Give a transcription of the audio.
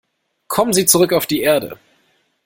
Kommen Sie zurück auf die Erde.